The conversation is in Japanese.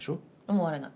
思われない。